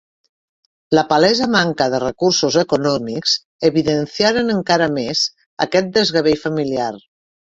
La palesa manca de recursos econòmics evidenciaren encara més aquest desgavell familiar.